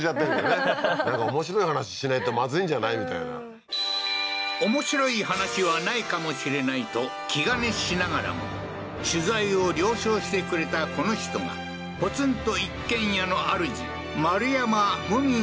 なんか面白い話しないとまずいんじゃない？みたいな面白い話はないかもしれないと気兼ねしながらも取材を了承してくれたこの人がポツンと一軒家のあるじ